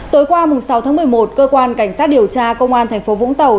tối qua sáu tháng một mươi một cơ quan cảnh sát điều tra công an tp vũng tàu